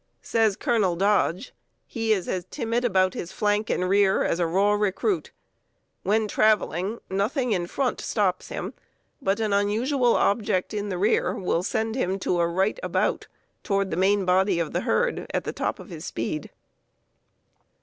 Says Colonel Dodge: "He is as timid about his flank and rear as a raw recruit. When traveling nothing in front stops him, but an unusual object in the rear will send him to the right about [toward the main body of the herd] at the top of his speed."